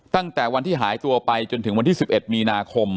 ตั้งแต่วันที่หายตัวไปจนถึงวันที่๑๑มีนาคม